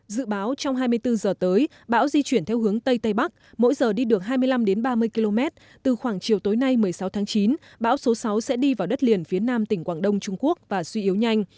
dự báo trong hai mươi bốn giờ tới bão di chuyển theo hướng tây tây bắc mỗi giờ đi được hai mươi năm ba mươi km từ khoảng chiều tối nay một mươi sáu tháng chín bão số sáu sẽ đi vào đất liền phía nam tỉnh quảng đông trung quốc và suy yếu nhanh